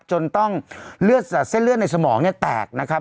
จนต้องเส้นเลือดในสมองเนี่ยแตกนะครับ